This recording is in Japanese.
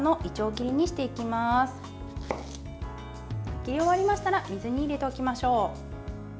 切り終わりましたら水に入れておきましょう。